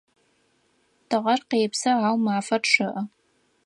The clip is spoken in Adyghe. Тыгъэр къепсы, ау мафэр чъыӏэ.